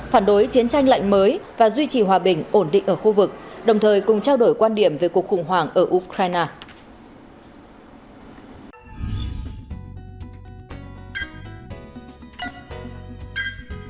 phản đối chiến tranh lạnh mới và duy trì hòa bình ổn định ở khu vực đồng thời cùng trao đổi quan điểm về cuộc khủng hoảng ở ukraine